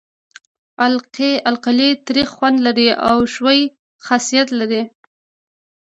القلي تریخ خوند لري او ښوی خاصیت لري.